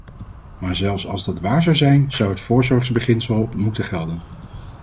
Maar zelfs als dat waar zou zijn, zou het voorzorgsbeginsel moeten gelden.